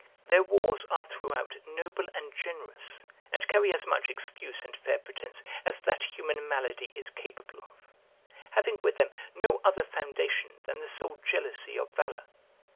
Their wars are throughout noble and generous, and carry as much excuse and fair pretence, as that human malady is capable of; having with them no other foundation than the sole jealousy of valour.